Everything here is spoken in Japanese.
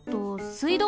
水道？